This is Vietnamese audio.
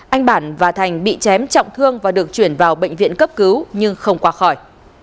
anh bản và thành bị chém trọng thương và được chuyển vào bệnh viện cấp cứu nhưng không qua khỏi